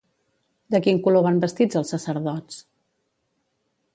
De quin color van vestits els sacerdots?